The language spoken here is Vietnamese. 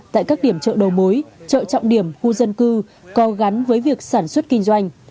tại các điểm chợ đầu mối chợ trọng điểm khu dân cư có gắn với việc sản xuất kinh doanh